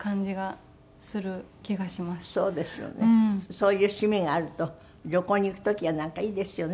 そういう趣味があると旅行に行く時やなんかいいですよね。